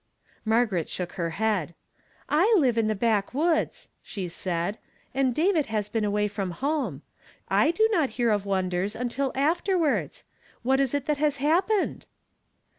Margaret shook her head. "• I live in the back woods," she said ;" and David has been away from home. I do not hear of wondere, until afterwards. What is it that has happened